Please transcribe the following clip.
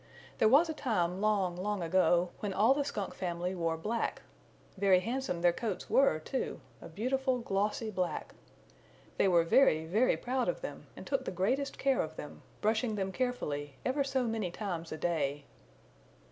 There was a time, long, long ago, when all the Skunk family wore black. Very handsome their coats were, too, a beautiful, glossy black. They were very, very proud of them and took the greatest care of them, brushing them carefully ever so many times a day.